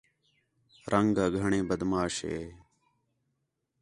رنگ آ گھݨیں بد ماش ہِے